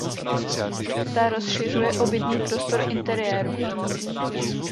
Ta rozšiřuje obytný prostor interiéru.